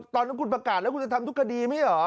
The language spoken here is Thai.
ตอนนั้นคุณประกาศแล้วคุณจะทำทุกคดีไม่ใช่เหรอ